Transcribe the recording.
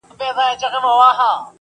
دستاسترګو ته کتل زما عادت دې